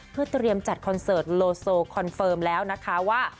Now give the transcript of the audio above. เพื่อเตรียมจัดคอนเสิร์ตโลโซคอนเฟิร์มแล้วนะคะว่า